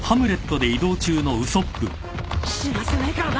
死なせねえからな！